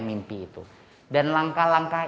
mimpi itu dan langkah langkah